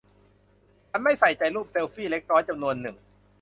ฉันไม่ใส่ใจรูปเซลฟี่เล็กน้อยจำนวนหนึ่ง